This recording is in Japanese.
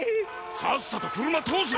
さっさと車通せ！